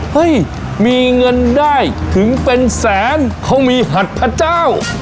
เฮ้ยมีเงินได้ถึงเป็นแสนเขามีหัดพระเจ้า